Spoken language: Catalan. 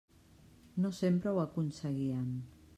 No sempre ho aconseguien.